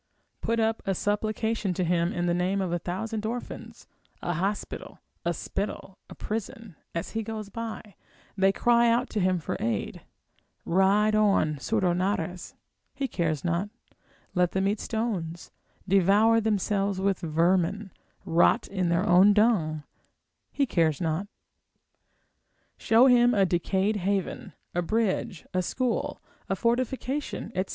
Put up a supplication to him in the name of a thousand orphans, a hospital, a spittle, a prison, as he goes by, they cry out to him for aid, ride on, surdo narras, he cares not, let them eat stones, devour themselves with vermin, rot in their own dung, he cares not. Show him a decayed haven, a bridge, a school, a fortification, etc.